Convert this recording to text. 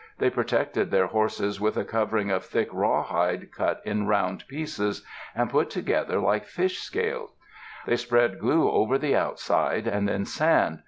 They protected their horses with a covering of thick rawhide cut in round pieces, and put together like fish scales. They spread glue over the outside and then sand.